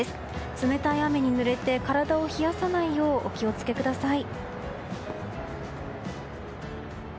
冷たい雨にぬれて体を冷やさないようお気を付けください。